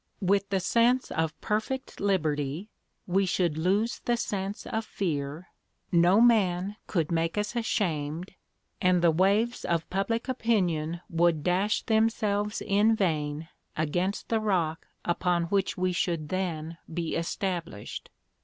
With the sense of perfect liberty we should lose the sense of fear, no man could make us ashamed, and the waves of public opinion would dash themselves in vain against the rock upon which we should then be established.